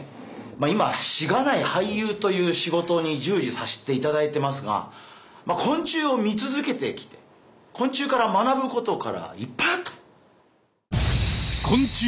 今しがない俳優という仕事に従事させていただいてますが昆虫を見続けてきて昆虫から学ぶ事がいっぱいあった。